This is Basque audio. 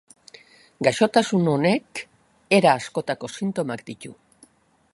Gaixotasun honek era askotako sintomak ditu.